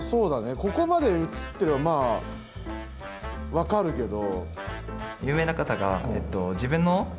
ここまで映ってればまあ分かるけど。